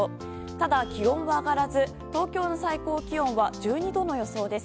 ただ気温は上がらず東京の最高気温は１２度の予想です。